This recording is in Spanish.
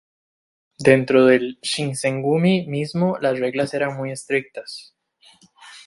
Dentro del Shinsengumi mismo las reglas eran muy estrictas.